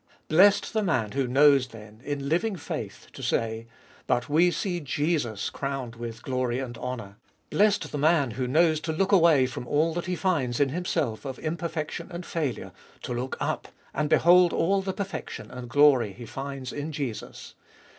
Blessed the man who knows, then, in living faith to say : But we see Jesus crowned with glory and honour. Blessed the man who knows to look away from all that he finds in himself of imperfection and failure, to look up and behold all the perfection and glory he finds in Jesus!